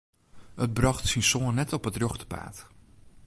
It brocht syn soan net op it rjochte paad.